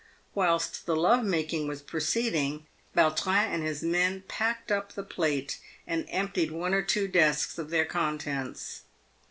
"Whilst the love making was proceeding, Yautrin and his men packed up the plate, and emptied one or two desks of their contents.